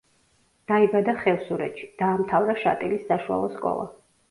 დაიბადა ხევსურეთში, დაამთავრა შატილის საშუალო სკოლა.